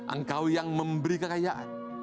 engkau yang memberi kekayaan